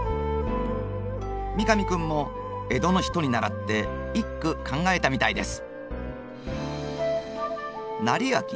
三上君も江戸の人に倣って一句考えたみたいです。